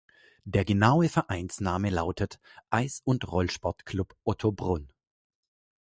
Der genaue Vereinsname lautet "Eis- und Rollsport-Club Ottobrunn".